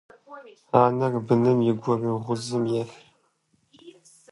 Анэр быным и гурыгъузым ехь.